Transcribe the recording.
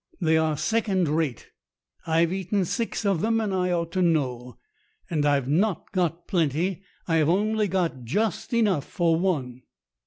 "They are second rate. I've eaten six of them and I ought to know. And I have not got plenty. I have only got just enough for one."